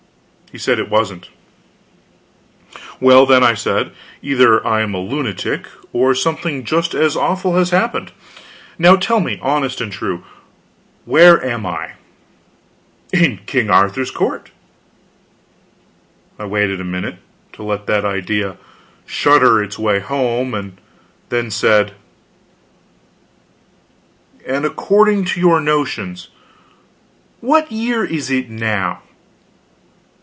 He said it wasn't. "Well, then," I said, "either I am a lunatic, or something just as awful has happened. Now tell me, honest and true, where am I?" "IN KING ARTHUR'S COURT." I waited a minute, to let that idea shudder its way home, and then said: "And according to your notions, what year is it now?"